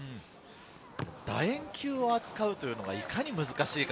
楕円球を扱うというのがいかに難しいか。